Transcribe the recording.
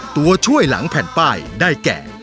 ตัวช่วยหลังแผ่นป้ายได้แก่